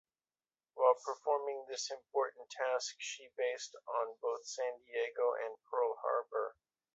While performing this important task, she based on both San Diego and Pearl Harbor.